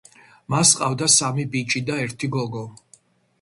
მას ჰყავდა სამი ბიჭი და ერთი გოგო.